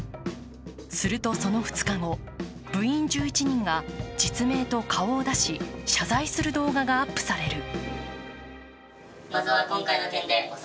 すると、その２日後、部員１１人が実名と顔を出し謝罪する動画がアップされる。